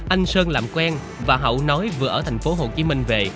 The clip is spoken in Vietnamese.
anh sơn làm quen và hậu nói vừa ở thành phố hồ chí minh về